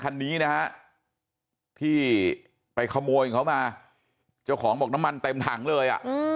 คันนี้นะฮะที่ไปขโมยของเขามาเจ้าของบอกน้ำมันเต็มถังเลยอ่ะ